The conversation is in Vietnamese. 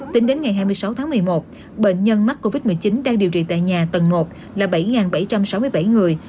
tính đến ngày hai mươi sáu tháng một mươi một bệnh nhân mắc covid một mươi chín đang điều trị tại nhà tầng một là bảy bảy trăm sáu mươi bảy người